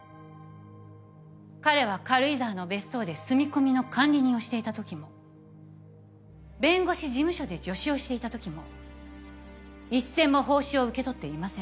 彼は軽井沢の別荘で住み込みの管理人をしていたときも弁護士事務所で助手をしていたときも一銭も報酬を受け取っていません。